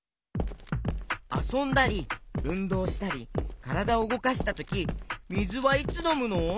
あそんだりうんどうしたりからだをうごかしたときみずはいつのむの？